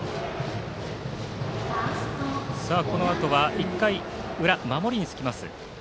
このあとは１回裏の守りにつきます